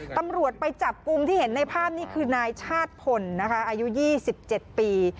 ตำรวจไปจับกลุ่มที่เห็นในภาพนี่คือนายชาติพลนะคะอายุ๒๗ปี